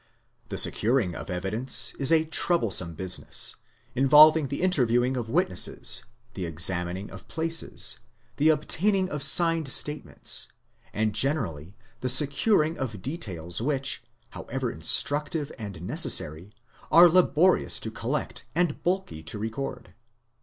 The securing of evidence is a troublesome business, involving the interviewing of witnesses, the examining of places, the obtain ing of signed statements, and generally the securing of details which, however instructive and necessary, are laborious to collect and bulky to record.